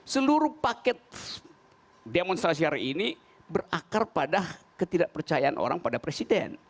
seluruh paket demonstrasi hari ini berakar pada ketidakpercayaan orang pada presiden